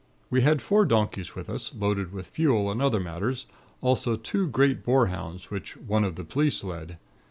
We had four donkeys with us, loaded with fuel and other matters; also two great boarhounds, which one of the police led.